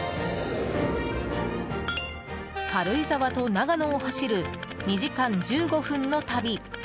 軽井沢と長野を走る２時間１５分の旅。